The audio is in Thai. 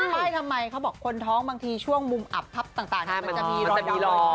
ป้ายทำไมเขาบอกคนท้องบางชั่วมุ่มหัวอับปรับต่างที่จะบีรอย